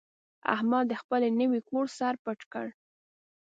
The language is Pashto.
احمد د خپل نوي کور سر پټ کړ.